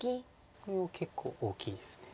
これも結構大きいです。